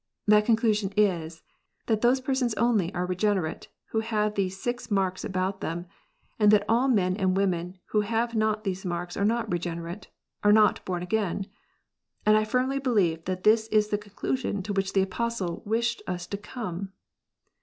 That conclusion is, that those persons only are " regenerate " who have these six marks about them, and that all men and women who have not these marks are not "regenerate," are not born again. And I firmly believe that this is the conclusion to which the Apostle wished us to come.